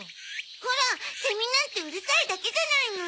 ほらセミなんてうるさいだけじゃないの。